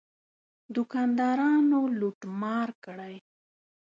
دوکاندارانو لوټ مار کړی.